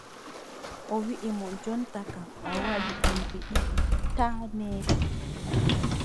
O wiʼi mo: jonta kam, a waɗi aybe ɗiɗi taa meetu.